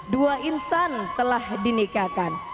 dua insan telah dinikahkan